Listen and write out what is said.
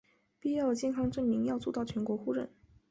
必要的健康证明要做到全国互认